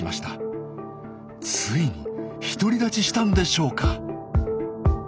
ついに独り立ちしたんでしょうか？